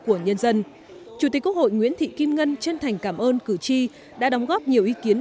của nhân dân chủ tịch quốc hội nguyễn thị kim ngân chân thành cảm ơn cử tri đã đóng góp nhiều ý kiến